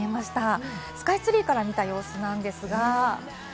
スカイツリーからみた様子なんですが。